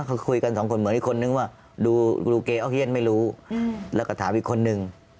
เขาคุยกันสองคนเหมือนอีกคนนึงว่าดูรูเกออกเฮียนไม่รู้แล้วก็ถามอีกคนนึง